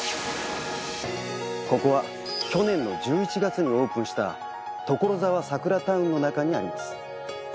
ここは去年の１１月にオープンしたところざわサクラタウンの中にあります。